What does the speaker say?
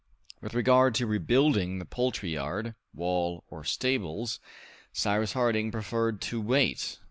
With regard to rebuilding the poultry yard, wall, or stables, Cyrus Harding preferred to wait.